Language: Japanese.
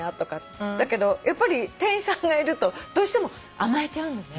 だけどやっぱり店員さんがいるとどうしても甘えちゃうんだね。